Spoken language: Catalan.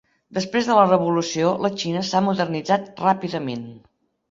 Després de la revolució, la Xina s'ha modernitzat ràpidament.